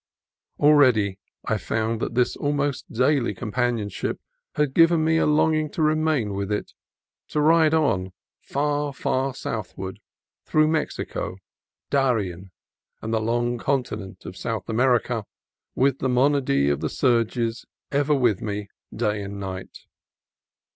Already I found that this almost daily companion MOODS OF THE SEA 41 ship had given me a longing to remain with it ; to ride on, far, far southward, through Mexico, Darien, and the long continent of South America, with the monody of the surges ever with me, day and night.